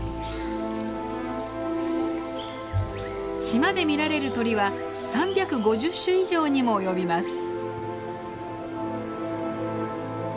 島で見られる鳥は３５０種以上にも及びます。